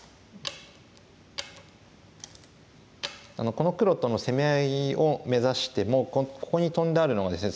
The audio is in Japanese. この黒との攻め合いを目指してもここにトンであるのがですね